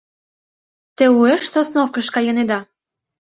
— Те уэш Сосновкыш кайынеда?